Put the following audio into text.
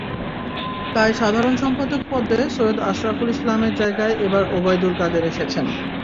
তাই সাধারণ সম্পাদক পদে সৈয়দ আশরাফুল ইসলামের জায়গায় এবার ওবায়দুল কাদের এসেছেন।